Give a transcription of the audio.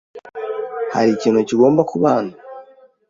Hari ikintu kigomba kuba hano?